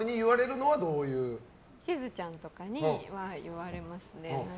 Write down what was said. しずちゃんとかには言われますね。